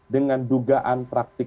dengan dugaan praktik